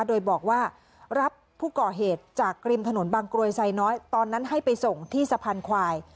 โดยบอกว่ารับผู้ก่อเหตุจากริมถนนบางกรวยไซน้อยตอนนั้นให้ไปส่งที่สะพานควาย